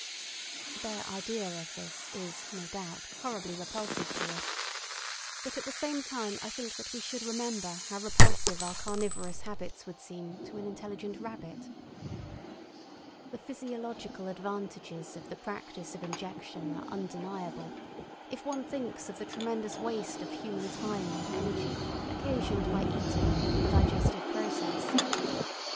The bare idea of this is no doubt horribly repulsive to us, but at the same time I think that we should remember how repulsive our carnivorous habits would seem to an intelligent rabbit. The physiological advantages of the practice of injection are undeniable, if one thinks of the tremendous waste of human time and energy occasioned by eating and the digestive process.